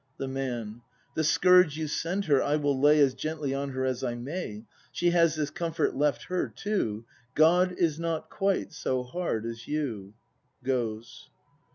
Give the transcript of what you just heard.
The Man. The scourge you send her I will lay As gently on her as I may. She has this comfort left her, too: God is not quite so hard as you! [Goes.